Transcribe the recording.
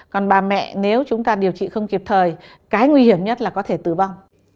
còn bà mẹ nếu chúng ta điều trị không kịp thời cái nguy hiểm nhất là có thể tử vong